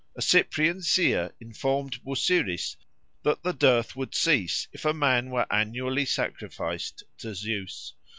A Cyprian seer informed Busiris that the dearth would cease if a man were annually sacrificed to Zeus.